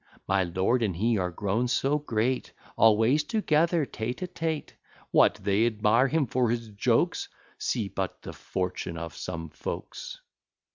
My lord and he are grown so great, Always together, tête à tête; What! they admire him for his jokes? See but the fortune of some folks!"